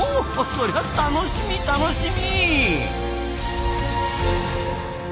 そりゃ楽しみ楽しみ！